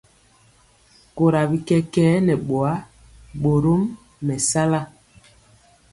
Kora bi kɛkɛɛ nɛ boa, borom mɛsala.